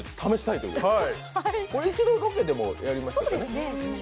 これ、一度ロケでもやりましたね。